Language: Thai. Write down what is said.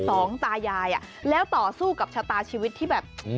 ต่อสู้กับชะตาชีวิตที่แบบ